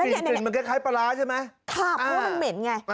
กลิ่นกลิ่นมันคล้ายปลาร้าใช่ไหมค่ะเพราะว่ามันเหม็นไง